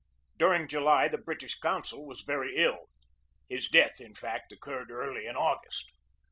During July the British consul was very ill. His death, in fact, occurred early in August.